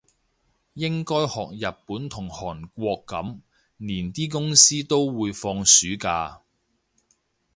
應該學日本同韓國噉，連啲公司都會放暑假